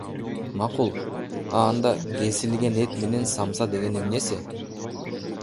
Макул, а анда кесилген эт менен самса дегени эмнеси?